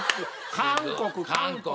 韓国韓国。